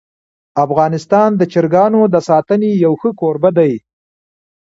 افغانستان د چرګانو د ساتنې یو ښه کوربه دی.